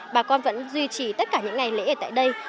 bà con vẫn duy trì tất cả những ngày lễ ở tại đây